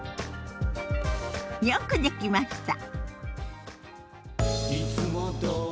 よくできました。